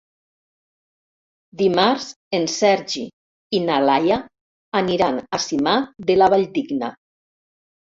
Dimarts en Sergi i na Laia aniran a Simat de la Valldigna.